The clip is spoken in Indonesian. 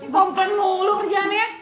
gampen mulu kerjaannya